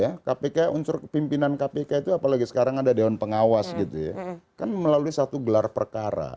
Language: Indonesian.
ya kpk unsur pimpinan kpk itu apalagi sekarang ada dewan pengawas gitu ya kan melalui satu gelar perkara